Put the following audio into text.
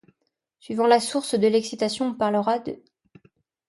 Suivant la source de l'excitation on parlera d'.